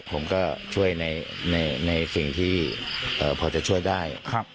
ผมก็ช่วยในสิ่งที่พอจะช่วยได้